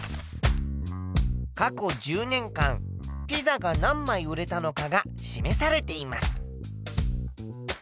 過去１０年間ピザが何枚売れたのかが示されています。